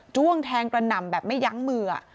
้วงแทงกระหน่ำแบบไม่ยั้งมือ